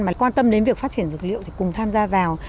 mà quan tâm đến việc phát triển dược liệu thì cùng tham gia vào